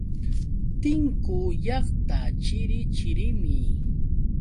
Tinku llaqta chiri chirimi.